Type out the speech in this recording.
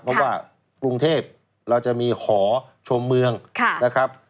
เพราะว่ากรุงเทพเราจะมีหอชมเมืองนะครับ